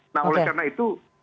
nah oleh karena itu